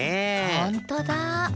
ほんとだ。